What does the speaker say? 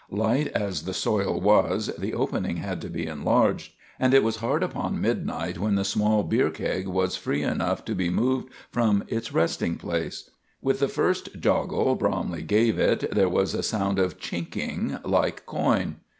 Light as the soil was, the opening had to be enlarged, and it was hard upon midnight when the small beer keg was free enough to be moved from its resting place. With the first joggle Bromley gave it, there was a sound of chinking like coin.